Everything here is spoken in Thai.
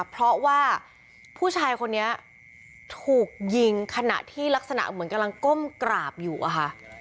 เพราะว่าผู้ชายคนนี้ถูกยิงขณะที่ลักษณะเหมือนกำลังก้มกราบอยู่อะค่ะ